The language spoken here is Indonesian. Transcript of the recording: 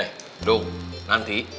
eh dong nanti